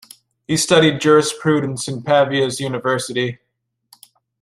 He studied jurisprudence in Pavia's university.